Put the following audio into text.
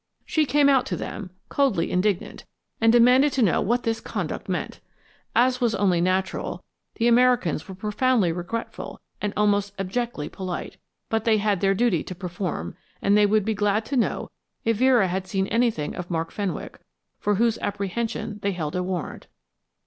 She came out to them, coldly indignant, and demanded to know what this conduct meant. As was only natural, the Americans were profoundly regretful and almost abjectly polite, but they had their duty to perform, and they would be glad to know if Vera had seen anything of Mark Fenwick, for whose apprehension they held a warrant.